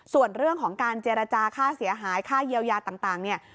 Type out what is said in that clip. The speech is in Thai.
ส่วนเรื่องของการเจรจาค่าเสียหายค่าเยียวยาต่างเนี่ย